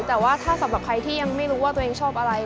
แต่ว่าถ้าสำหรับใครที่ยังไม่รู้ว่าตัวเองชอบอะไร